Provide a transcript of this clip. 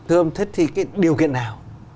thưa ông thích thì cái điều kiện nào